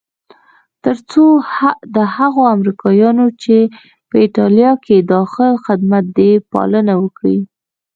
تر څو د هغو امریکایانو چې په ایټالیا کې داخل خدمت دي پالنه وکړي.